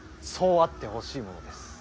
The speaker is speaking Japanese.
そうあってほしいものです。